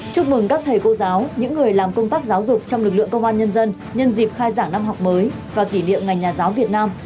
chúc mừng các thầy cô giáo những người làm công tác giáo dục trong lực lượng công an nhân dân nhân dịp khai giảng năm học mới và kỷ niệm ngành nhà giáo việt nam